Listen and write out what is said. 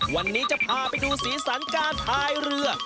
วันนี้จะพาไปดูสีสันการพายเรือ